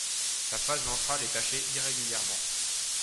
Sa face ventrale est tachée irrégulièrement.